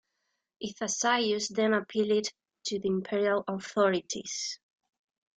Ithacius then appealed to the imperial authorities.